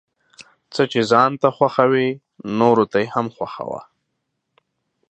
څه چې ځان ته خوښوې نوروته يې هم خوښوه ،